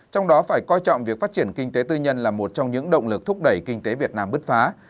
trong đó phải coi trọng việc phát triển kinh tế tư nhân là một trong những động lực thúc đẩy kinh tế việt nam bứt phá